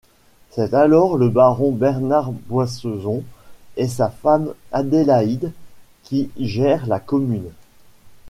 C'est alors le baron Bernard Boissezon et sa femme Adélaïde qui gère la commune.